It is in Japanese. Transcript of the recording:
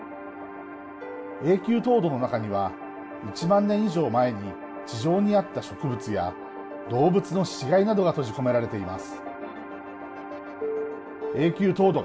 永久凍土の中には１万年以上前に地上にあった植物や動物の死骸などが閉じ込められています。